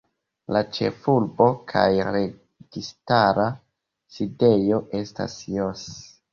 La ĉefurbo kaj registara sidejo estas Jos.